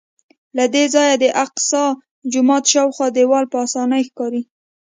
له دې ځایه د الاقصی جومات شاوخوا دیوال په اسانۍ ښکاري.